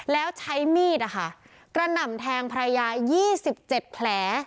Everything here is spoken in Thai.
แล้วใช้มีดนะคะกระหน่ำแทงภรรยายี่สิบเจ็ดแผล